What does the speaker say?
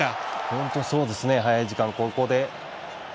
本当にそうですね早い時間で。